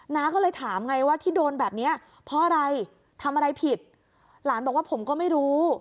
น้าก็เลยถามไงว่าที่โดนแบบเนี้ยเพราะอะไรทำอะไรผิดหลานบอกว่าผมก็ไม่รู้